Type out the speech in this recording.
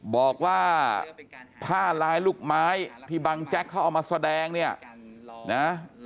บอกว่าผ้าลายลูกไม้ที่บางแจ็คเขาออกมาแสดง